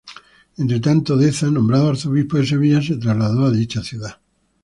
Entretanto, Deza, nombrado arzobispo de Sevilla, se trasladó a dicha ciudad.